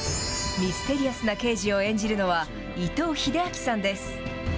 ミステリアスな刑事を演じるのは、伊藤英明さんです。